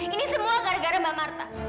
ini semua gara gara mbak marta